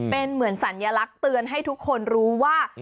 เป็นเหมือนสัญลักษณ์เตือนให้ทุกคนรู้ว่า